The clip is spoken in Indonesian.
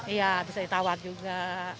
iya bisa ditawar juga